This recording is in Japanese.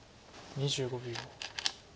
２５秒。